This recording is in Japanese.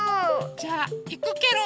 じゃあいくケロ。